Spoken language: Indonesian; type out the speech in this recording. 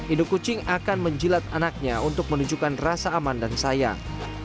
induk kucing akan menjilat anaknya untuk menunjukkan rasa aman dan sayang